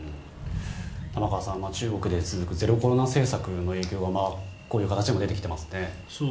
玉川さん、中国で続くゼロコロナ政策の影響がこういう形でも出てきていますね。